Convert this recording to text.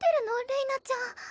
れいなちゃん。